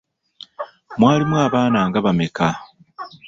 Mwalimu abaana nga bameka?